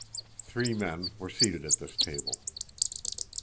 Three men were seated at this table.